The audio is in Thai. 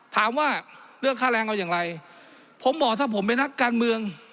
ถามว่าเรื่องค่าแรงเอาอย่างไรผมบอกถ้าผมเป็นนักการเมือง